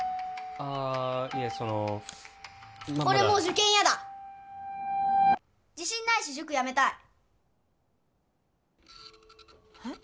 ああいえその俺もう受験嫌だ自信ないし塾やめたいえっ？